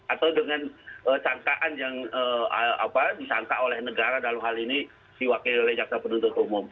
atau dengan sangkaan yang disangka oleh negara dalam hal ini si wakil jaksa penuntut umum